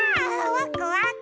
ワクワク。